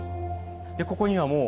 でここにはもう。